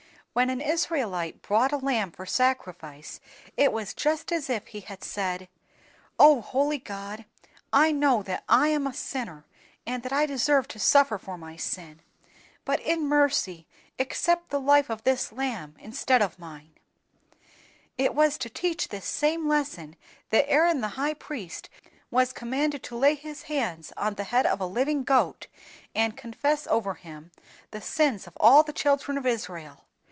"When an Israelite brought a lamb for sacrifice it was just as if he had said, 'O holy God, I know that I am a sinner, and that I deserve to suffer for my sin; but in mercy accept the life of this lamb instead of mine.' It was to teach this same lesson that Aaron the high priest was commanded to lay his hands on the head of a living goat, and confess over him the sins of all the children of Israel.